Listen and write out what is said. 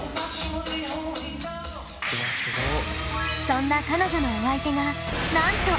そんな彼女のお相手がなんと！